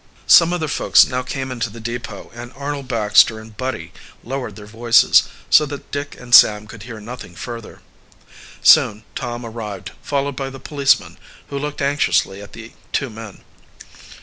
Some other folks now came into the depot, and Arnold Baxter and Buddy lowered their voices, so that Dick and Sam could hear nothing further. Soon Tom arrived, followed by the policeman, who looked anxiously at the two men.